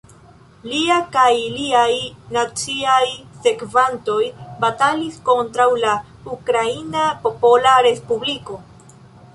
Lia kaj liaj naciaj sekvantoj batalis kontraŭ la Ukraina Popola Respubliko.